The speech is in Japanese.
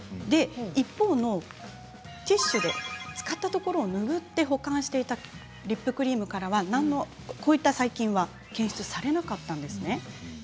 一方のティッシュで使ったところを拭って保管していたリップクリームからはこういった細菌が検出されませんでした。